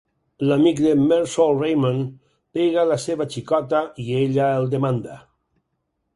L'amic de Mersault Raymond pega la seva xicota i ella el demanda.